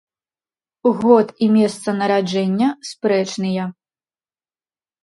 Год і месца нараджэння спрэчныя.